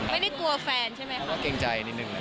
ไม่ได้กลัวแฟนใช่ไหมเขาก็เกรงใจนิดนึง